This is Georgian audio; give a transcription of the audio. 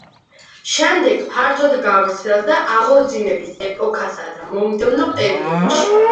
შემდეგ ფართოდ გავრცელდა აღორძინების ეპოქასა და მომდევნო პერიოდში.